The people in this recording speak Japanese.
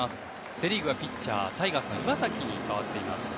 セ・リーグはピッチャータイガースの岩崎に代わっています。